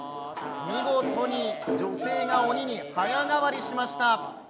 見事に女性が鬼に早変わりしました。